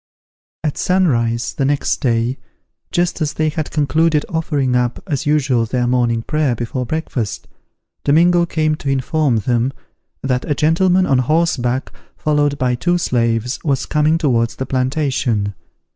At sun rise the next day, just as they had concluded offering up, as usual, their morning prayer before breakfast, Domingo came to inform them that a gentleman on horseback, followed by two slaves, was coming towards the plantation.